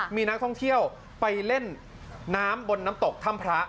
มีนักท่องเที่ยวไปเล่นน้ำบนน้ำตกถ้ำพระ